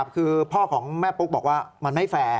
คือพ่อของแม่ปุ๊กบอกว่ามันไม่แฟร์